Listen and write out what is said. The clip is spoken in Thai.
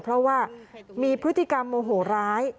เพราะว่ามีพฤติกรรมโมโหร้าย